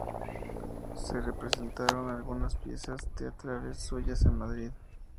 Se representaron algunas piezas teatrales suyas en Madrid.